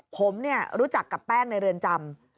ผมรู้จักกับแป้งในเรือนจำ